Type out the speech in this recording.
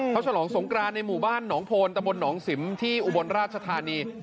เขาฉลองสงกรานในหมู่บ้านหนองโพนตะบนหนองสิมที่อุบลราชธานี